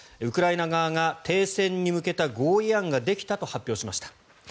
ウクライナ側が停戦に向けた合意案ができたと発表しました。